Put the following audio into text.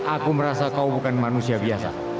aku merasa kau bukan manusia biasa